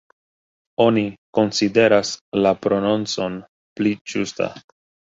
Oni konsideras la prononcon pli ĝusta.